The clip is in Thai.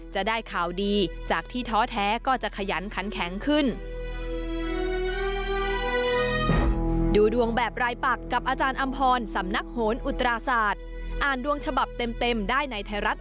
จะได้ข่าวดีจากที่ท้อแท้ก็จะขยันขันแข็งขึ้น